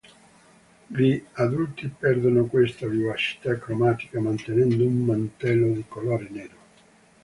Gli adulti perdono questa vivacità cromatica mantenendo un mantello di colore nero.